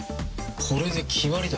これで決まりだ。